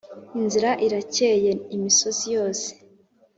inzira iracyeye imisozi yose